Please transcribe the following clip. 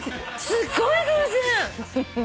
すっごい偶然！